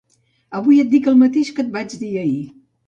Avui et dic el mateix que et vaig dir ahir.